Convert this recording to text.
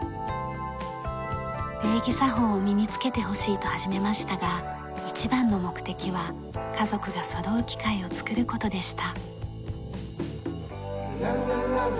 礼儀作法を身に着けてほしいと始めましたが一番の目的は家族がそろう機会を作る事でした。